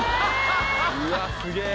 うわっすげぇ。